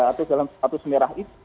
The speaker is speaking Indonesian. atau dalam status merah itu